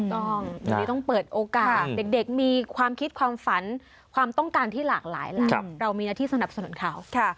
ต้องวันนี้ต้องเปิดโอกาสเด็กมีความคิดความฝันความต้องการที่หลากหลายแหละเรามีหน้าที่สนับสนุนเขา